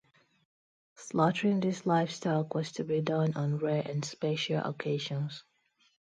Slaughtering this livestock was to be done on rare and special occasions.